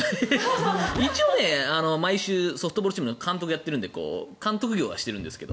一応、毎週ソフトボールチームの監督をやってるので監督業はしてるんですけど。